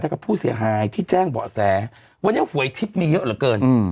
กับผู้เสียหายที่แจ้งเบาะแสวันนี้หวยทิพย์มีเยอะเหลือเกินอืม